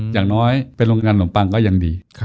อย่างน้อยเป็นโรงงานขนมปังก็ยังดี